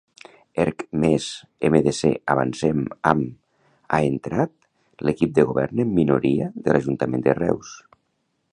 ERC-MES-MDC-Avancem-AM ha entrat l'equip de govern en minoria de l'Ajuntament de Reus.